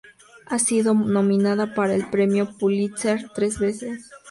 Ha sido nominada para el premio Pulitzer tres veces.